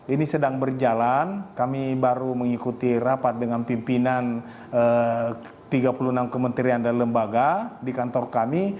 ini sedang berjalan kami baru mengikuti rapat dengan pimpinan tiga puluh enam kementerian dan lembaga di kantor kami